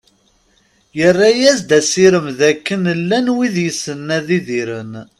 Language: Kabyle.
Yerra-as-d asirem d akken llan wid yessnen ad idiren.